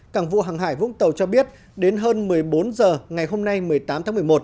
cảng vụ hàng hải vũng tàu cho biết đến hơn một mươi bốn h ngày hôm nay một mươi tám tháng một mươi một